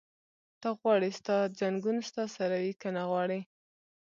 ته غواړې ستا ځنګون ستا سره وي؟ که نه غواړې؟